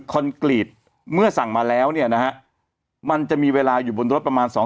กรีตเมื่อสั่งมาแล้วเนี่ยนะฮะมันจะมีเวลาอยู่บนรถประมาณสอง